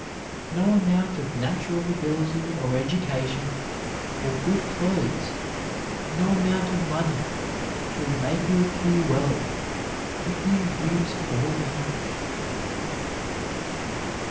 No amount of natural ability or education or good clothes, no amount of money, will make you appear well if you use poor English.